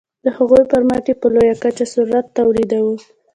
د هغوی پرمټ یې په لویه کچه ثروت تولیداوه.